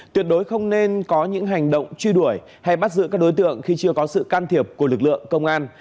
tuyệt đối không nên có những hành động truy đuổi hay bắt giữ các đối tượng khi chưa có sự can thiệp của lực lượng công an